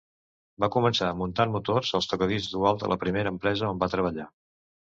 Va començar muntant motors als tocadiscs Dual, la primera empresa on va treballar.